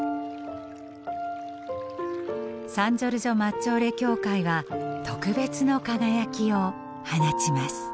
サン・ジョルジョ・マッジョーレ教会は特別の輝きを放ちます。